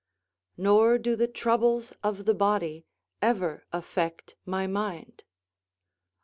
["Nor do the troubles of the body ever affect my mind."